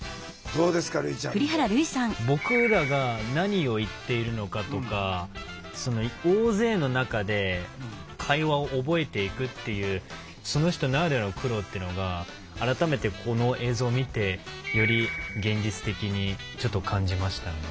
僕らが何を言っているのかとか大勢の中で会話を覚えていくっていうその人ならではの苦労っていうのが改めてこの映像を見てより現実的にちょっと感じましたね。